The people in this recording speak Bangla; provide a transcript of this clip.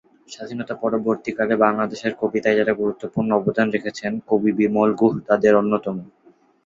স্বাধীনতা-পরবর্তীকালে বাংলাদেশের কবিতায় যারা গুরুত্বপূর্ণ অবদান রেখেছেন কবি বিমল গুহ তাদের অন্যতম।